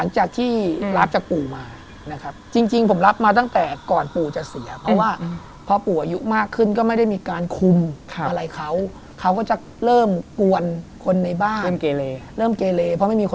ใช่ครับก็จะเป็นต้นนี้ครับ